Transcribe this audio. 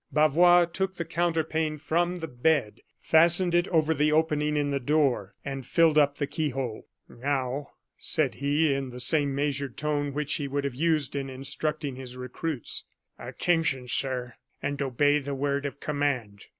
Bavois took the counterpane from the bed, fastened it over the opening in the door, and filled up the key hole. "Now," said he, in the same measured tone which he would have used in instructing his recruits, "attention, sir, and obey the word of command."